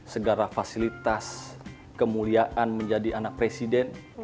segala fasilitas kemuliaan menjadi anak presiden